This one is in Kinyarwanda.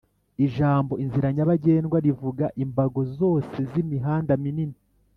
Ijambo "Inzira nyabagendwa" rivuga imbago zose z'imihanda minini